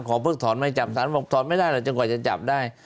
เพิกถอนไม่จับสารบอกถอนไม่ได้หรอกจนกว่าจะจับได้